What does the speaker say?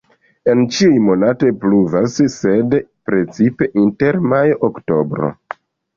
En ĉiuj monatoj pluvas, sed precipe inter majo-oktobro.